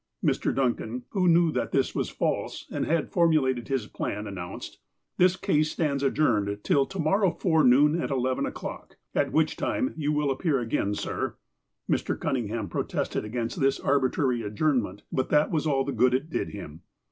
Mr. Duncan, who knew that this was false, and had formulated his plan, announced : "This case stands adjourned till to morrow forenoon at eleven o'clock, at which time you will appear again, sir." Mr. Cunningham protested against this arbitrary ad journment, but that was all the good it did him.